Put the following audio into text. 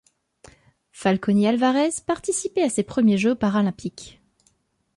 Falconi-Alvarez participait à ses premiers Jeux paralympiques.